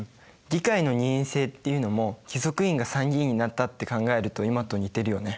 議会の二院制っていうのも貴族院が参議院になったって考えると今と似てるよね。